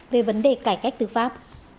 về vấn đề cải cách tư pháp